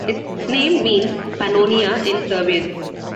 Its name means "Pannonia" in Serbian.